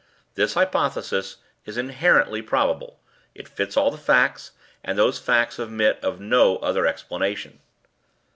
This hypothesis is inherently probable, it fits all the facts, and those facts admit of no other explanation."